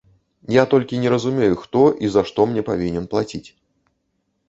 Я толькі не разумею, хто і за што мне павінен плаціць.